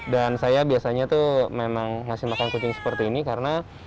saya biasanya tuh memang ngasih makan kucing seperti ini karena